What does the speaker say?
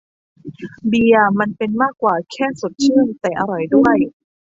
เบียร์มันเป็นมากกว่าแค่สดชื่นแต่อร่อยด้วย